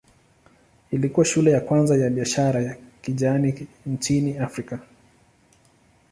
Ilikuwa shule ya kwanza ya biashara ya kijani nchini Afrika.